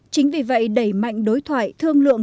chính vì vậy đẩy mạnh đối thoại thương lượng